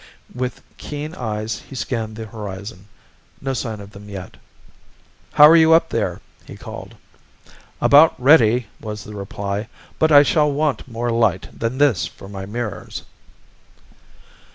With keen eyes he scanned the horizon. No sign of them yet. "How are you up there?" he called. "About ready," was the reply. "But I shall want more light than this for my mirrors."